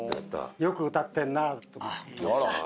よく歌ってるなと思ってああ